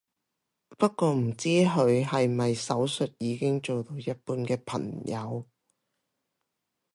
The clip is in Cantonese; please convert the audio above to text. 不過唔知佢係咪手術已經做到一半嘅朋友